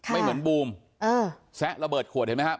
ไม่เหมือนบูมแซะระเบิดขวดเห็นไหมครับ